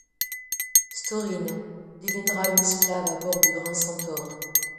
Storine deviendra une esclave à bord de Grand Centaure.